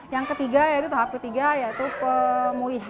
yang ketiga yaitu tahap ketiga yaitu pemulihan